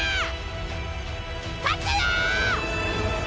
勝ったよ！